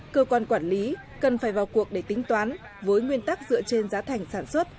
cơ quan quản lý cần phải vào cuộc để tính toán với nguyên tắc dựa trên giá thành sản xuất